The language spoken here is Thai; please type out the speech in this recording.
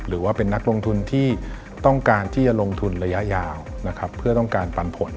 หรือว่าเป็นนักลงทุนที่ต้องการที่จะลงทุนระยะยาวนะครับเพื่อต้องการปันผล